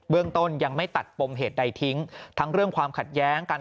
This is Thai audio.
เรื่องต้นยังไม่ตัดปมเหตุใดทิ้งทั้งเรื่องความขัดแย้งกัน